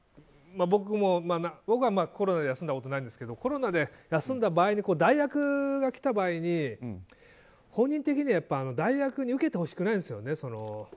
僕はコロナで休んだことはないんですけどコロナで休んだ場合の代役がきた場合に本人的には代役に受けてほしくないんですよね。